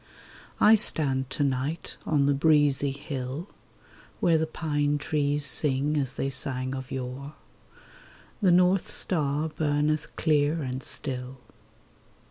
I stand to night on the breezy hill, Where the pine trees sing as they sang of yore ; The north star burneth clear and still.